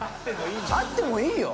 あってもいいよ。